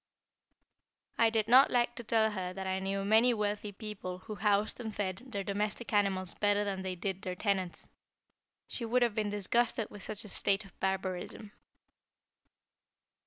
I did not like to tell her that I knew many wealthy people who housed and fed their domestic animals better than they did their tenants. She would have been disgusted with such a state of barbarism.